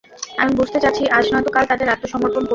আমি বুঝাতে চাচ্ছি, আজ নয়তো কাল তাদের আত্নসমর্পণ করবে।